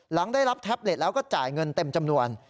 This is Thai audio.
หลังได้รับแท็บเล็ตแล้วก็จ่ายเงินเต็มจำนวน